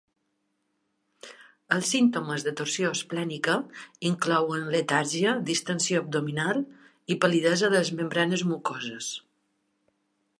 Els símptomes de torsió esplènica inclouen letargia, distensió abdominal i pal·lidesa de les membranes mucoses.